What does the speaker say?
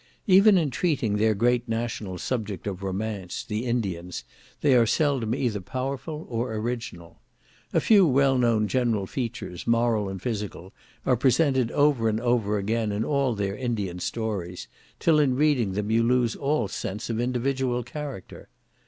Even in treating their great national subject of romance, the Indians, they are seldom either powerful or original. A few well known general features, moral and physical, are presented over and over again in all their Indian stories, till in reading them you lose all sense of individual character.